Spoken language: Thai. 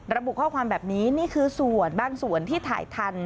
ระบุข้อความแบบนี้นี่คือส่วนบางส่วนที่ถ่ายทัน